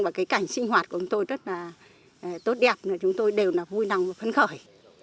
và cảnh sinh hoạt của chúng tôi rất là tốt đẹp chúng tôi đều vui nòng và phấn khởi